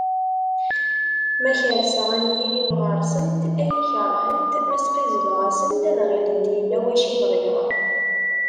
Ma kerseɣ anyir-iw ɣer-sent ad iyi-kerhent, ma sqizzbeɣ-asent ad ɣillent yella wacu i bɣiɣ.